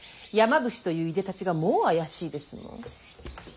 山伏といういでたちがもう怪しいですもん。